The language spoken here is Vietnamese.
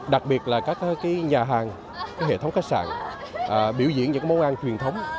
đặc biệt là các nhà hàng các hệ thống khách sạn biểu diễn những món ăn truyền thống